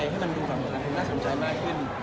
และให้มันดูร่างของงานหน้าสนใจมากขึ้น